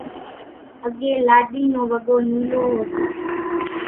اڳيَ لاڏِي نو وڳو نيلو هوتو۔